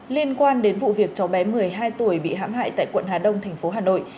liên quan đến vụ việc cháu bé một mươi hai tuổi bị hãm hại tại quận hà đông thành phố hà nội